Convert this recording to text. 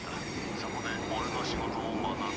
そこで俺の仕事を学べ。